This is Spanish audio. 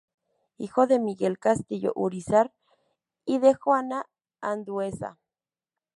Hijo de Miguel Castillo Urízar y de Juana Andueza.